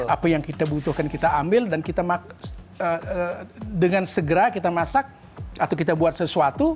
apa yang kita butuhkan kita ambil dan kita dengan segera kita masak atau kita buat sesuatu